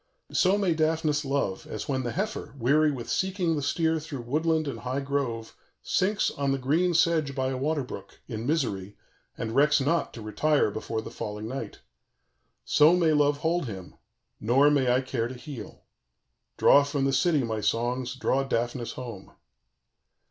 _ "So may Daphnis love, as when the heifer, weary with seeking the steer through woodland and high grove, sinks on the green sedge by a water brook, in misery, and recks not to retire before the falling night: so may love hold him, nor may I care to heal. "_Draw from the city, my songs, draw Daphnis home.